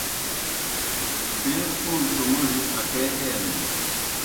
ڈیر پُݨیْ تو موڙیْ اکے اینَن